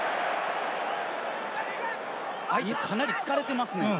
相手、かなり疲れていますね。